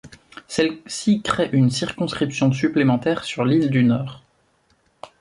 Celle-ci crée une circonscription supplémentaire sur l'Île du Nord.